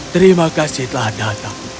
terima kasih telah datang